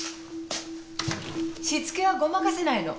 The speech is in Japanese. しつけはごまかせないの。